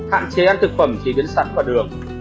hạn chế ăn thực phẩm chỉ đến sẵn và đường